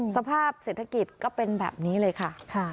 สภาพเศรษฐกิจก็เป็นแบบนี้เลยค่ะ